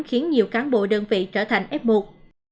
khiến nhiều cán bộ đơn vị trở thành ép buộc